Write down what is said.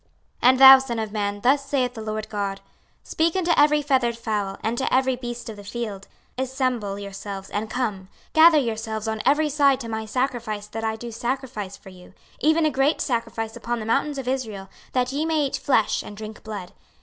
26:039:017 And, thou son of man, thus saith the Lord GOD; Speak unto every feathered fowl, and to every beast of the field, Assemble yourselves, and come; gather yourselves on every side to my sacrifice that I do sacrifice for you, even a great sacrifice upon the mountains of Israel, that ye may eat flesh, and drink blood.